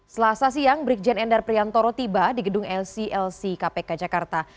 selasa siang brikjen endar priantoro tiba di gedung lc lc kpk jakarta